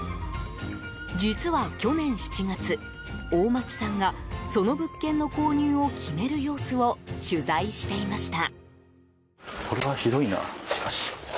実は去年７月大巻さんがその物件の購入を決める様子を取材していました。